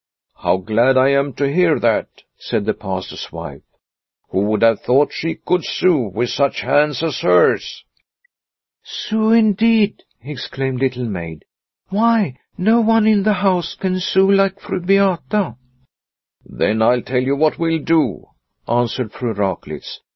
" How glad I am to hear that," said the Pastor's wife. " Who would have thought she could sew with such hands as hers ?" "Sew indeed," exclaimed Little Maid; "why, no one in the house can sew like Fru Beata." "Then I'll tell you what we'll do," an swered Fru Raklitz.